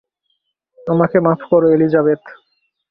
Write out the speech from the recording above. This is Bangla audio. আমাকে মাফ করো এলিজাবেথ।